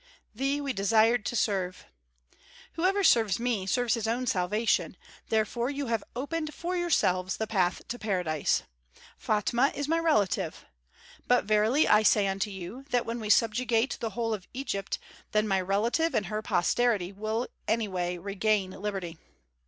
"Thee we desired to serve." "Whoever serves me serves his own salvation; therefore you have opened for yourselves the path to paradise. Fatma is my relative. But verily I say unto you that when we subjugate the whole of Egypt, then my relative and her posterity will anyway regain liberty."